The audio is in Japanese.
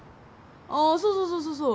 ああそうそうそうそう